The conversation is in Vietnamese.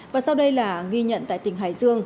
và sau đây là ghi nhận tại tỉnh hải dương